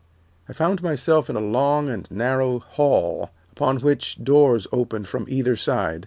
"I found myself in a long and narrow hall, upon which doors opened from either side.